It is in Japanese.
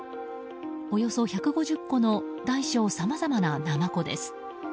およそ１５０個の大小さまざまなナマコです。